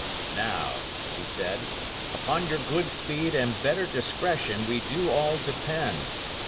"Now," he said, "upon your good speed and better discretion we do all depend.